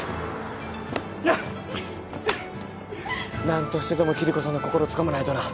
何としてでもキリコさんの心つかまないとな。